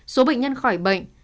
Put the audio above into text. số bệnh nhân khỏi bệnh